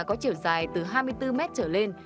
có chiều dài từ hai mươi bốn mét trở lên